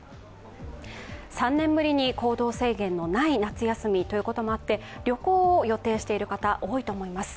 ３年ぶりに行動制限のない夏休みということもあって旅行を予定している方、多いと思います。